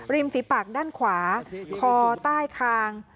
ฝีปากด้านขวาคอใต้คาง